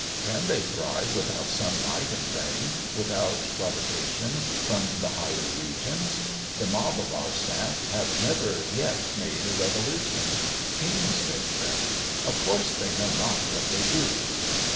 Can they thrive without sunlight and rain, without provocation from the higher regions? The mob of our stamp have never yet made a revolution: kings make them. Of course they know not what they do."